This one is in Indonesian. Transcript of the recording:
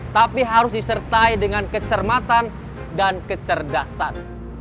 tapi harus disertai dengan kecermatan dan kecerdasan